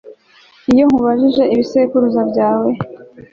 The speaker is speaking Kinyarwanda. iyo nkubajije ibisekuruza byawe